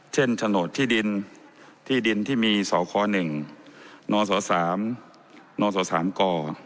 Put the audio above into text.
เช่นถนนที่ดินที่มีศค๑นศ๓นศ๓ก